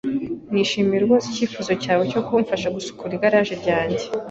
Nishimiye rwose icyifuzo cyawe cyo kumfasha gusukura igaraje ryanjye.